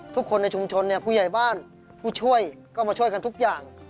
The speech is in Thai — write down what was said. ทุกคนในชุมชนเนี่ยผู้ใหญ่บ้านผู้ช่วยก็มาช่วยกันทุกอย่าง